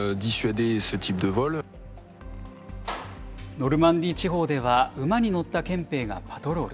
ノルマンディー地方では、馬に乗った憲兵がパトロール。